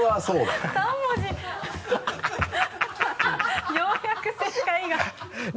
ようやく正解が